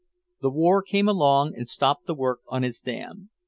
The war came along, and stopped the work on his dam.